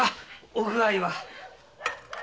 お具合は。